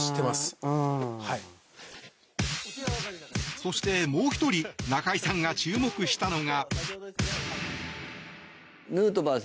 そしてもう１人中居さんが注目したのが。